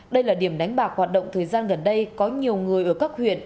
đây là điểm đánh bạc hoạt động thời gian gần đây có nhiều người ở các huyện